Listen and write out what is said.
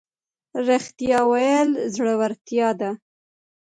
رښتیا ویل زړورتیا ده